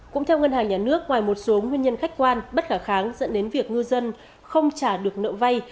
cũng theo ngân hàng nhà nước ngoài một số nguyên nhân khách quan bất khả kháng dẫn đến việc ngư dân không trả được nợ vay